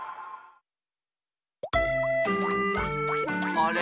あれ？